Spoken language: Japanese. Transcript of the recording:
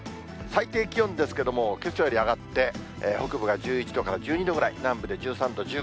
最低気温ですけども、けさより上がって、北部が１１度から１２度ぐらい、南部で１３度、１５度。